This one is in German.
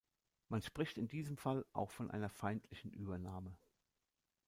Man spricht in diesem Fall auch von einer feindlichen Übernahme.